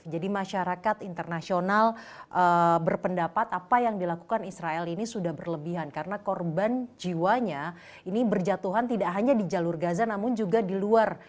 jadi masyarakat internasional berpendapat apa yang dilakukan israel ini sudah berlebihan karena korban jiwanya ini berjatuhan tidak hanya di jalur gaza namun juga di luar